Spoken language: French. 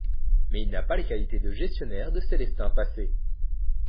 Mais il n'a pas les qualités de gestionnaire de Célestin Passet.